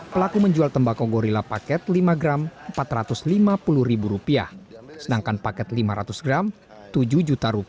pelaku menjual tembakau gorilla paket rp lima gram rp empat ratus lima puluh sedangkan paket rp lima ratus gram rp tujuh